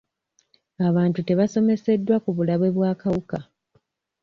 Abantu tebasomeseddwa ku bulabe bw'akawuka.